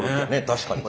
確かに。